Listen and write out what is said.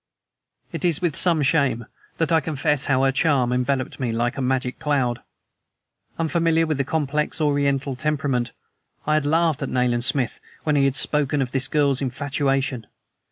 It is with some shame that I confess how her charm enveloped me like a magic cloud. Unfamiliar with the complex Oriental temperament, I had laughed at Nayland Smith when he had spoken of this girl's infatuation.